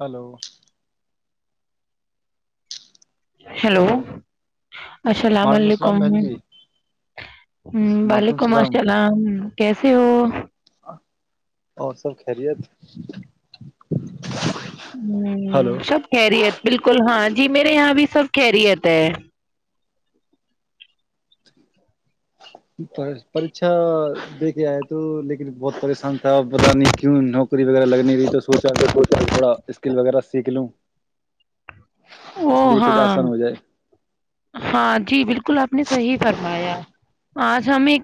hello hello hello السلام وعلیکم علیکم السلام بہن ہ جی وعلیکم السلام بالیکمسلام کیسے ہو اور سب خریت سب خریت بالکل ہاں جی میرے یہاں بھی سب خریتے پریچھا دے کے آئے تو لیکن بہت پریشان تھا پت نہیں کیوںو کری وغیرہ لگنے رہی تو سوچا کچ تھوڑا اسکل وغیرہ سیکھ لوں اس وہو لیے کچھ ہاں آسان ہو جائے ہاں جی بالکل آپ نے صحیح فرمایا آج ہمیں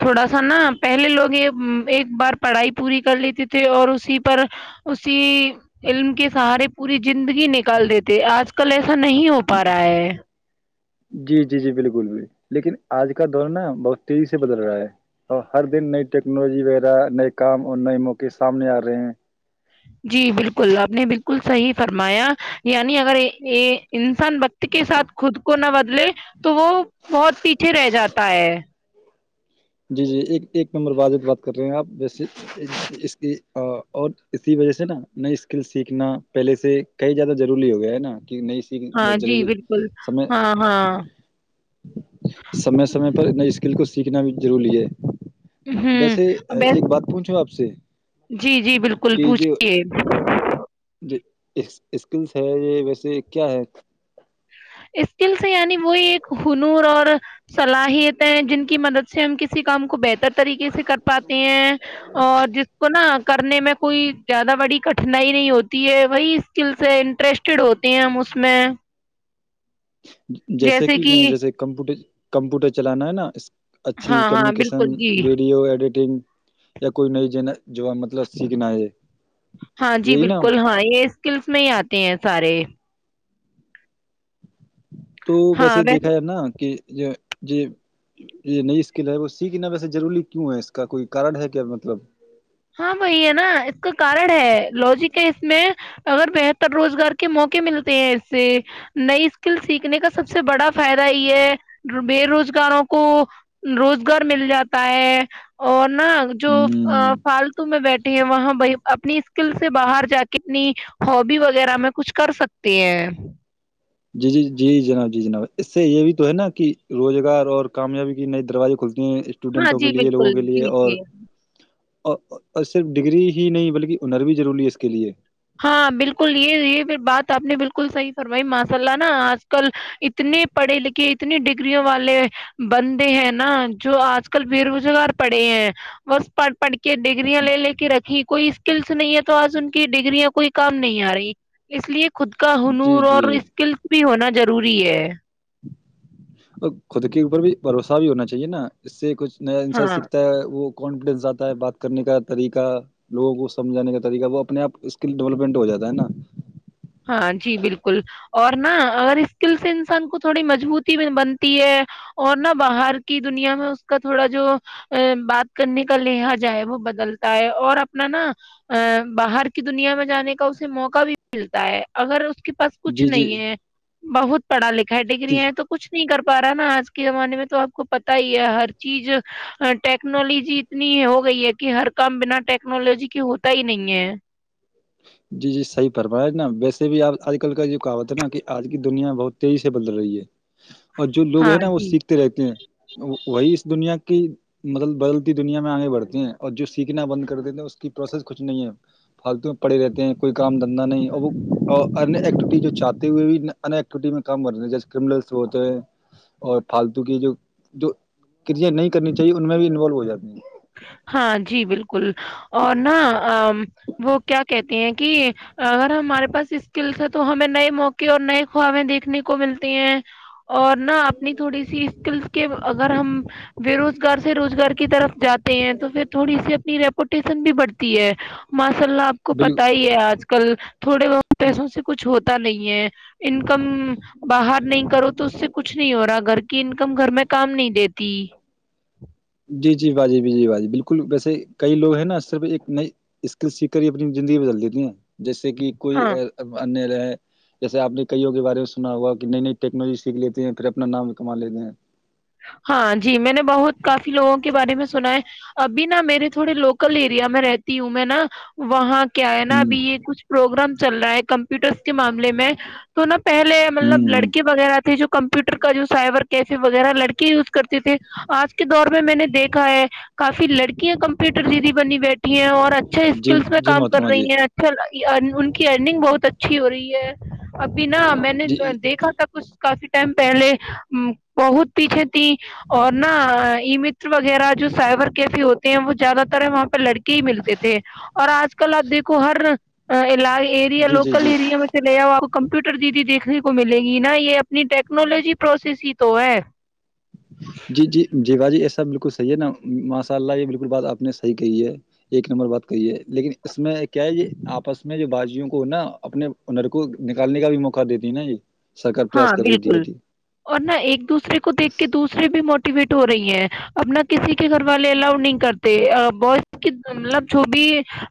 تھوڑا سا نا پہلے لوگ یہ ایک بار پڑھائی پوری کر لیتے تھے اور اسی پر اسی علم کے سہارے پوری زندگی نکال دیتے آج کل ایسا نہیں ہو پا رہا ہے جی جی جی بالکل بھی لیکن آج کا دور نا بہت تیزی سے بدل رہا ہے اور ہر دن نئی ٹیکنالوجی وغیرہ نئے کام اور نئے موقع سامنے آ رہے ہیں جی بالکل آپ نے بالکل صحیح فرمایا یعنی اگر انسان وقت کے ساتھ خود کو نہ بدلے تو وہ بہت پیچھے رہ جاتا ہے جی جی ایک ایک ممبر واضح بات کر رہے ہیں آپ ویسے اس اور اسی وجہ سے نا نئی اسکل سیکھنا پہلے سے کئی زیادہ ضروری ہو گیا ہے نا نئی ہاں جی بالکل س ہاں ہاں سمے سمے پر ن اس [inaudible] بالکل سیکھنا بھی جضر لیے [inaudible] ہوں ویسے بس ایک بات پوچھو آپ سے جی جی بالکل کہ جو پوچھیے اسکلس ہے یہ ویسے کیا ہے اسکل سے یعنی وہی ایک ہنور اور صلاحیت جن کی مدد سے ہم کسی کام کو بہتر طریقے سے کر پاتے ہیں اور جس کو نا کرنے میں کوئی زیادہ بڑی نہیں نہیں ہوتی ہے وہی سکل سے انٹرسٹڈ ہوتے ہیں ہم اس میں جیسے کہ ن جیسے کمپوٹر کمپیوٹر چلانا ہے نا اس اچھی ہاں ہاں کمیونیکیشن بالکل جی ویڈیو ایڈیٹنگ یا کوئی نئی ج جو مطلب سیکھنا ہے ہاں جی یہی نا بالکل ہاں یہ اسکلس میں ہی آتے ہیں سارے تو ویسے دیکھا نا کہ یہ یہ یہ نئی اسکل ہے وہ سیکھنا ویسے ضروری کیوں ہے اس کا کوئی کارن ہے کیا مطلب ہاں وہی ہے نا اس کا کارن ہے لوجک ہے اس میں اگر بہتر روزگار کے موقعے ملتے ہیں اس سے نئی اسکل سیکھنے کا سب سے بڑا فائدہ یہ ہے بے روزگاروں کو روزگار مل جاتا ہے اور نہا جو ہ فالتو میں بیٹھے ہیں وہاں ب اپنی اسکل سے باہر جا کے اپنی ہا بی وغیرہ میں کچھ کر سکتے ہیں جی جی جی جناب جی جناب اس سے یہ بھی تو ہے نا کہ روزگار اور کامیابی کے نئے دروازے کھلتے ہاں اسٹوڈنٹوں کے جی لیے لوگوں بالکل کے لیے جی اور جی اور صرف ڈگری ہی نہیں بلکہ اننر بھی ضروری ہے اس کے لیے ہاں بالکل یہ یہ بات آپ نے بالکل صحیح فرمائی ماشاء اللہ نا آج کل اتنے پڑھے لکھے اتنی ڈگریوں والے بندے ہیں نا جو آج کل بے روزگار پڑھے ہیں بس پڑ کہ ڈگرییا لے لے کے رکھی کوئی اسکلس نہیں ہے تو آج ان کی ڈگریاں کوئی کام نہیں آ رہی اس لیے خود کا جی ہنور جی اور اسکلس بھی ہونا ضروری ہے اور خود کے اوپر بھی بھروسہ بھی ہونا چاہیے نا اس سے کچھ نیا انسا ہاں سیکھتا ہے وہ کانفیڈینس آاتا ہے بات کرنے کا طریقہ لوگوں کو سمجھانے کا طریقہ وہ اپنے آپ اسکل ڈیولپمنٹ ہو جاتا ہے نا ہاں جی بالکل اور نہا اگر اسکل سے انسان کو تھوڑی مجبوتی بنتی ہے اور نہا باہر کی دنیا میں اس کا تھوڑا جو بات کرنے کا لہجا ہے وہ بدلتا ہے اور اپنا نا باہر کی دنیا میں جانے کا اسے موقع بھی ملتا اگر اس کے پاس کچھ جی جی نہیں ہے بہت پڑھ لکھا ہے جی ڈگگریاں تو کچ نہیں ارا نا آج کے زمانے میں تو آپ کو پتا ہی ہے ہر چیز ٹیکنالوجی اتنی ہو گئی ہے کہ ہر کام بنا ٹیکنالوجی کی ہوتا ہی نہیں ہے جی جی صحیح پرمایا نا ویسے بھی آپ آج کل کا جو کہوت ہے نا کہ آج کی دنیا بہت تیزی سے بدل رہی ہے اور جو لوگ ہاں ہیں نا وہ جی سیکھتے رہتے ہیں وہی اس دنیا کہ مطلب بدلتی دنیا میں آگے بڑھ ہیں اور جو سیکھنا بند کر دیتے ہیں اس کی پروسیس کچھ نہیں ہے فالتو پڑے رہتے ہیں کوئی کام دھندا نہیں اور وہ ایکٹیوٹی جو چاہتے ہوئے بھی ان ایکٹیوٹی میں کام کرتے ہیں جیسے کرمنلس ہوتے ہیں اور فالتو کی جو جو کریاں نہیں کرنی چاہیے ان میں بھی انوالو ہو جاتی ہیں ہاں جی بالکل بالکل اور نہ وہ کیا کہتے ہیں کہ اگر ہمارے پاس اسکلس ہے تو ہمیں نئے موقع اور نئے خوابیں دیکھنے کو ملتی ہیں اور نہ اپنی تھوڑی سی اسکلس کے اگر ہم بے روزگار سے روزگار کی طرف جات تو پھر تھوڑی سی ریپوٹیشن بھی بڑھتی ہے ماس اسللہ آپ کو بالکل پتہ ہی ہے آج کل تھوڑے بہت پیسوں سے کچھ ہوتے پ نہیں ہے انکم باہر نہیں کرو تو اس سے کچھ نہیں ہو رہا گھر کی انکم گھر میں کام نہیں دیتی جی جی باجی جی باجی بالکل ویسے کئی لوگ ہیں نا صرف ایک نئی اسکل سیکھ کر ہی اپنی زندگی بدل دیتی ہیں جیسے کہ کوئی ہاں ان ہیں جیسے آپ نے کئیوں کے بارے میں سنا ہوا کہ نئی نئی ٹیکنالوجی سیکھ لیتے ہیں پھر اپنا نام کما لیتے ہیں ہاں جی میں نے بہت کافی لوگوں کے بارے میں سنا ہے ابھی نا میرے تھوڑے لوکل ایریا میں رہتی ہوں میں نا وہاں کیا ہے نا ہ ابھی یہ کچھ پروگرام چل رہا ہے کمپیوٹرس کے معامل میں تو نا پہلے مطلب ہ ہ لڑکے وغیرہ تھے جو کمپیوٹر کا جو سائبر کیسے وغیرہ لڑکی یوز کرتے تھے آج کے دور میں میں نے دیکھا ہے کافی لڑکی ک کمپیٹر جی بنی بیٹھی اور اچھا اچھے جی اسکلس میں جی کام کر محترما رہی جی ہیں اچھا ان کی ارنگ بہت اچھی ہو رہی ہے ابھی نا میں نے جی جی دیکھا تھا کچھ کافی ٹائم پہلے بہت پیچھے تیں اور نہا ای متر وغیرہ جو سائبر کیفے ہوتے ہیں وہ زیادہ تر وہاں پہ لڑکے ہی ملتے تھے اور آج کل آپ دیکھو ہر ایریا جی لوکل جی ایریا میں چے آؤ آپ کمپیوٹر دییدی دیکھنے کو ملے گی نا یہ اپنی ٹیکنالوجی پروسیس ہی تو ہے جی جی جی گا جی ایس سب بالکل صحیح ہے نا ماشاء اللہ یہ بالکل بات آپ نے صحیح کہی ہے ایک نمبر بات کہی ہے لیکن اس میں کیا ہے یہ آپس میں جو باازیوں کو نا اپنے ار کو نکالنے کا بھی موقع دیتی ہے نا یہ سرکار ہاں پریاس کر رہی تھی بالکل گٹی اور نہ ایک دوسرے کو دیکھ کے دوسرے بھی موٹیویٹ ہو رہی ہے اپنا کسی کے گھر والے الاؤ نہیں کرتے بو مطلب جو بھی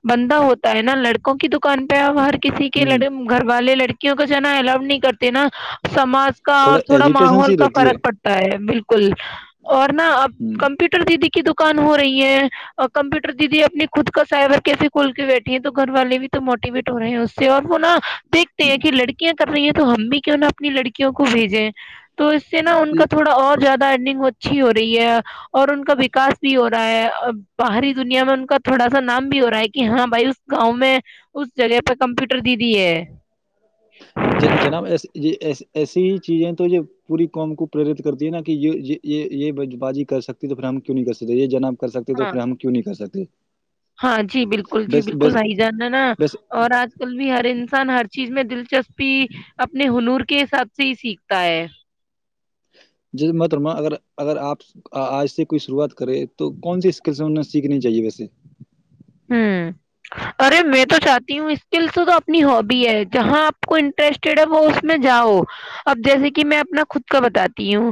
بندہ ہوتا ہے نا لڑکوں کی دکان پہ ہر کسی کے ہوں لڑے گھر والے لڑکے کیوںکہ جنا ہے لو نہیں کرتے نا سماج کا اور تھوڑا ایجیٹیشن ماحول سی کا رہتی ہے فرق پڑتا ہے بالکل اور نا اب ہ کمپیوٹر دیدی کی د کان ہو رہی ہے کمپیوٹر دیدی اپنی خود کا سائبر کیفے کھول کے بیٹھے ہیں تو گھر والے بھی تو موٹیویٹ ہو رہے ہیں اس سے اور وہ نا دیکھتے ہیں کہ لڑکیاں کر رہی ہیں تو ہم بھی کہ انہوں اپنی لڑکیوں کو بھیجیں تو اس سے نا ان کا تھوڑا اور زیادہ ارنگ ہوتا اچھی ہو رہی ہے اور ان کا وکاس بھی ہو رہا ہے اور باہری دنیا میں ان کا تھوڑا سا نام بھی ہو رہا ہے کہ ہاں بھائی اس گاؤں میں اس جگہ پہ کمپیوٹر دی دی ہے ج جناب ایس یہ ای ایسی ہی چیزیں تو جو پوری قوم کو پرییرت کرتی ہیں نا کہ یہ یہ بازی کر سکتی تو پھر ہم کیوں نہیں کر سکتے یہ جناب کرکتے تو ہاں پھر ہم کیوں نہیں کر سکتے ہاں جی بالکل جی بس بالکل بس بائی جاننا نا بس اور آج کل بھی ہر انسان ہر چیز میں دلچسپی اپنے ہنور کے حساب سے ہی سیکھتا ہے جیسے مترما ا اگر آپ آج سے کوئی شروعات کرے تو کون سی اسکلس انہیں سیکھنی چاہیے ویسے ہ ارے میں تو چاہتی ہوں اسکلس تو اپنی ہبی ہے جہاں آپ کو انٹرسٹیڈ ہے وہ اس میں جاؤ اب جیسے کہ میں اپنا خود کا بتاتی ہوں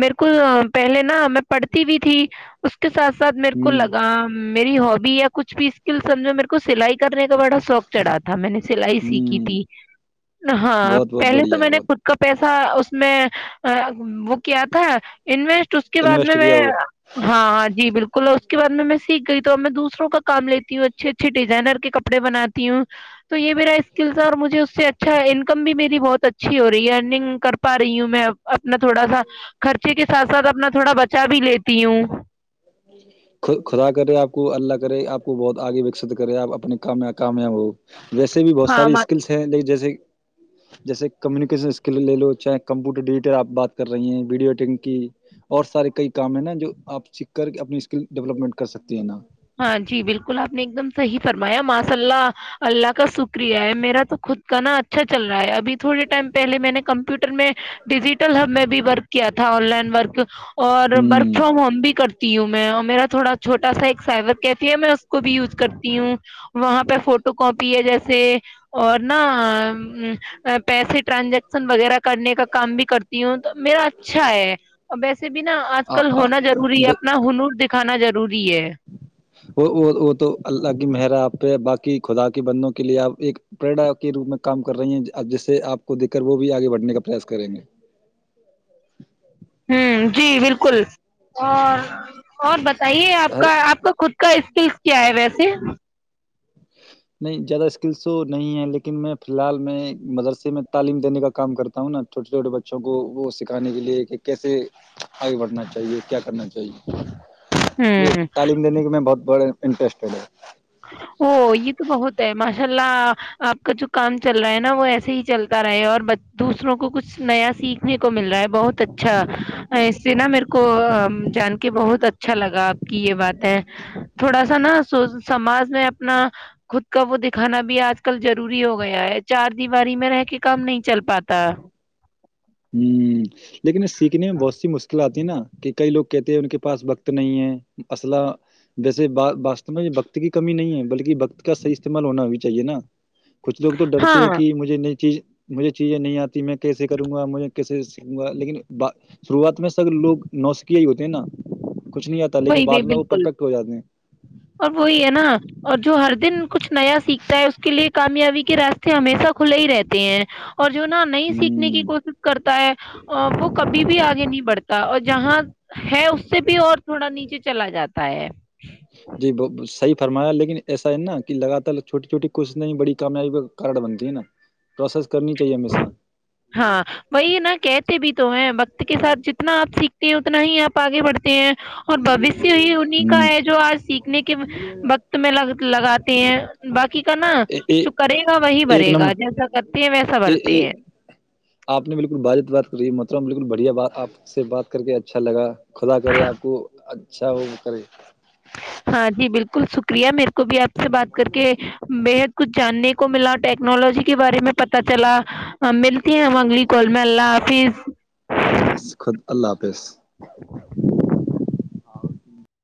میرے کو پہلے نا میں پڑھتی بھی تھی اس کے ساتھ سر میرے کو ہوں لگا میری ہابی ہے پیسکل سمجھو میرے کو سلائی کرنے بڑا شوق چڑھا تھا میں نے سلائی سیکھی ہوں تھی ہاں بہت بہت پہلے تو بڑھیا میں نے بہت خود کا پیسہ تھا اس میں وہ کیا تھا انویسٹ تو اس کے بعد انویسٹ میں کیا میں ہوا ہاں ہاں جی بالکل ک اس کے بع میں سیکھ گئی تو میں دوسروں کا تو کام لیتی ہوں اچھے اچھے ڈزائنر کے کپڑ بناتی ہوں تو یہ میرا اسکل اور مجھے اس سے اچھا انکم بھی میری بہت اچھی ہو رہی ہے ارنگ کر پا رہی ہوں میں اپنا تھوڑا سا خرچے کے ساتھ سھ اپنا تھوڑا بچا بھی لیتی ہوں خدا کرے آپ کو اللہ کرے آپ کو بہت آگے وکست کرے آپ اپنے کام کامیاب ہو ویسے بھی بہت ہاں ساری ما اسکلس ہیں لیک جیسے جیسے کمیونکیشن اسکل لے لو چاہے کمپیوٹر ڈییٹ آپ بات کر رہی ہیں ویڈیو ایڈٹنگ کی اور سارے کئی کام ہے نا جو آپ س کر کے اپنی اسکل ڈیولپمٹ کر سک ہیں ہاں جی بالکل آپ نے ایک دم صحی فرمایا ماس سلہ اللہ کا شکریہ ہے میرا تو خود کا نا اچھا چ رہا ہے اب تھوڑے ٹائم پہے میں نے کمپیوٹر میں ڈیجیٹل ہب میں بھی ورک کیا تھا آن لائن ورک اور ورک ہوں فرام ہوم بھی کرتی ہوں میں میرا تھوڑا چھوٹا سائبر کہتی ہے میں اس کو بھی یوز کرتی ہوں وہاں پہ فوٹو کاپی ہے جیسے اور نہا پیسے ٹرانزیکشن وغیرہ کرنے کا کام بھی کرتی ہوں تو میرا اچھا ہے اور ویسے بھی نا آج آ- کل ہونا ضروری ہے آ- اپنا ہنور دکھانا ضروری ضروری ہے وہ وہ وہ تو اللہ کی مہر آپ پہ باقی خدا کے بندوں کے لیے آپ ایک پریرا کے روپ میں کام کر رہی ہیں جس سے آپ کو دیکھ کر وہ بھی آگے بڑھنے کا پریاس کریں گے ہ جی بالکل اور اور ب صحیح ہے آپ ہر کا آپ کا خود کا کس کیا ہے ویسے نہیں زیادہ اسکلس تو نہیں ہے لیکن میں فی الحال میں مدرسے میں تعلیم دینے کا کام کرتا ہوں نا چھوٹے چھوٹے بچوں کو وہ سکھانے کے لیے کہ کیسے آگے بڑھنا چاہیے کیا کرنا چاہیے مجھے ہوں تعلیم دینے کے میں بہت بڑے انٹرسٹڈ ا یہ تو بہت ہے ماشاء اللہ آپ کا جو کام چل رہا ہے نا وہ ایسے ہی چلتا رہے اور دوسروں کو کچھ نیا سیکھنے کو مل رہا ہے بہت اچھا اس سے نا میرے کو جان کے بہت اچھا لگا آپ کی یہ بات ہے تھوڑا سا نا سو سماج میں اپنا خود کا وہ دکھانا بھی آج کل ضروری ہو گیا ہے چار دیواری میں رہ کے کام نہیں چل پاتا ہوں لیکن سیکھنے میں بہت سی مشکلات ا کہ کئی لوگ کہتے ہیں ان کے پس وقت نہیں ہے اصلہ ویسے واو میں وکت کی کمی نہیں ہے بلکہ وکت کا صحی استعمال ہونا بھی چاہیے نا کچھ لوگ تو ڈرتے ہاں ہیں کہ مجھے نئی چیز مجھے چیزیں نہیں آتی ج میں کیسے کروں جھے کیسے سوں گا لیکن شروعات میں س لوگ نوسکھیا ہی ہوتے ہیں نا کچھ نہیں آتا لیکن وہی بعد بی میں وہ بالکل پرفیکٹ ہو جاتے ہیں اور وہی ہے نا اور جو ہر دن کچھ نیا سیکھتا ہے اس کے لیے کامیابی کے راستے ہمیشہ کھلے ہی رہتے ہیں اور جو نا نہیں سیکھنے کی ہوں کوشش کرتا ہے وہ کبھی بھی آ نہیں بڑھتا اور جہاں ہے اس سے بھی اور تھوڑا نیچے چلا جاتا ہے جی وہ صحی فرمایا لیکن ایسا ہے نا کہ لگاتار چھوٹی چھوٹی کوشش نہیں بڑی کامیابی کا کار بنتی ہے نا پروسیس کرنی چاہیے ہمیشہ ہاں وہی نا کہتے بھی تو ہیں وقت کے ساتھ جتنا آپ سیکھتے ہیں اتنا ہی آپ آگے بڑھتے ہیں اور بوشیہ ہی انہیں کا ہے ہ جو آج سیکھنے کے وقت میں لگتا لگاتی ہیں باقی کرنا جو کرے گا وہی ایک بڑے گا نمبر جیسا کرتے ہیں ویسا برتا اے- آپ نے بالکل بجت بات کری ہے م بالکل بڑھیا بات آپ سے بات کر کے اچھا لگا خدا کرے آپ کو اچھا وہ کرے ہاں جی بالکل شکریہ میرے کو بھی آپ سے بات کر کے بےحد کچھ جاننے کو ملا ٹیکنالوجی کے بارے میں پتا چلا آ ملتتی ہیں مگل اللہ ال پیز خود اللہ حافظ